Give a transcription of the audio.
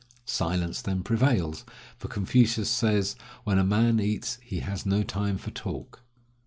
Silence then prevails; for Confucius says: "When a man eats he has no time for talk."